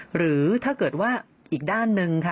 หรือถ้าเกิดว่าอีกด้านหนึ่งค่ะ